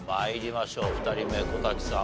２人目小瀧さん